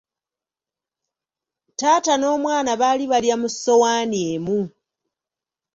Taata n'omwana baali balya mu ssowaani emu.